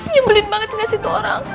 nyembelin banget gak sih itu orang so bad